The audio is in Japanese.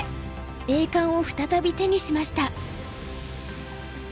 栄冠を再び手にしました。